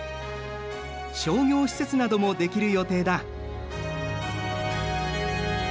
商業施設などもできる予定だ。